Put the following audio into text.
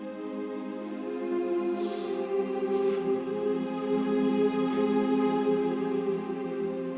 hamba sudah menjadi anak yang durhaka